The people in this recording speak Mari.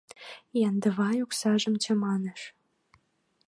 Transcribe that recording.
— Яндывай оксажым чаманыш.